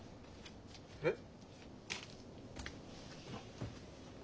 えっ？